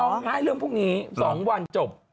ไม่ค่อยร้องไห้เรื่องพวกนี้๒วันจบ